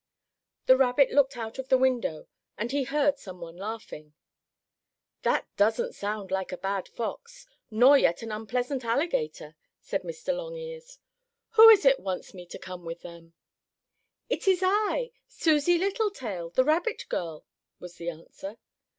The rabbit looked out of the window and he heard some one laughing. "That doesn't sound like a bad fox, nor yet an unpleasant alligator," said Mr. Longears. "Who is it wants me to come with them?" "It is I Susie Littletail, the rabbit girl," was the answer.